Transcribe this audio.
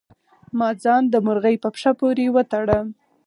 ما ځان د مرغۍ په پښه پورې وتړه.